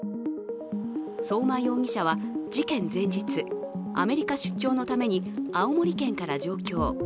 相馬容疑者は事件前日、アメリカ出張のために青森県から上京。